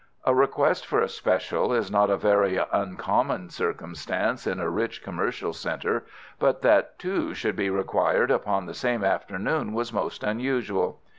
A request for a special is not a very uncommon circumstance in a rich commercial centre, but that two should be required upon the same afternoon was most unusual.